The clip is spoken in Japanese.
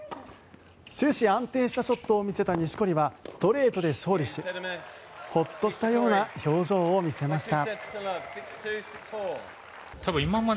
終始安定したショットを見せた錦織はストレートで勝利しホッとしたような表情を見せました。